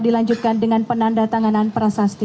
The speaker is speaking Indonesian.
dilanjutkan dengan penanda tanganan prasasti